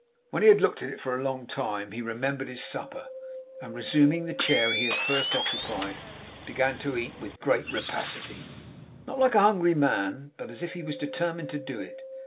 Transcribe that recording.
When he had looked at it for a long time, he remembered his supper; and resuming the chair he had first occupied, began to eat with great rapacity; not like a hungry man, but as if he were determined to do it.